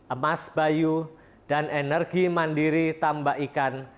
emas bayu dan energi mandiri tambah ikan